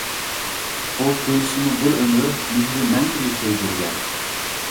ئۇ كۆيسىمۇ بىر ئۆمۈر، مېھرى مەڭگۈ سۆيدۈرگەن.